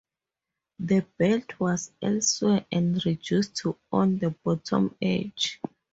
The belt was elsewhere and reduced to on the bottom edge.